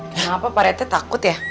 kenapa pak rednya takut ya